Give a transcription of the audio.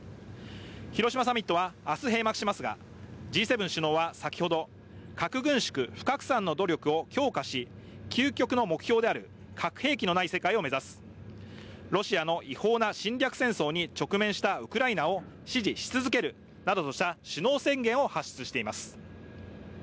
広島サミットは、明日閉幕しますがＧ７首脳は先ほど、核兵器のない強化し、究極の目標である核兵器のない世界を目指す、ロシアの違法な侵略戦争に直面したウクライナを支持し続けるなどとした首脳宣言を発出しています。